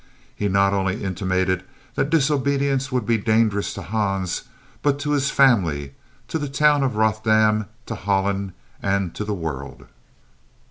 He not only intimated that disobedience would be dangerous to Hans, but to his family, to the town of Rothdam, to Holland and to the world.